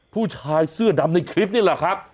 ผู้ชายเสื้อดำในคลิปนี่แหละครับ